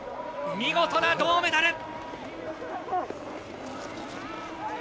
見事な銅メダル！